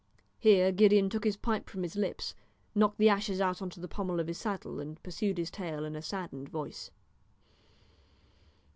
Here Gideon took his pipe from his lips, knocked the ashes out upon the pommel of his saddle, and pursued his tale in a saddened voice.